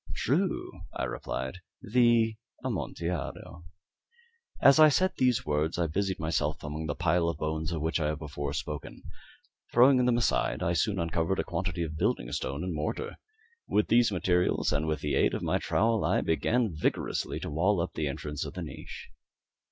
"True," I replied; "the Amontillado." As I said these words I busied myself among the pile of bones of which I have before spoken. Throwing them aside, I soon uncovered a quantity of building stone and mortar. With these materials and with the aid of my trowel, I began vigorously to wall up the entrance of the niche.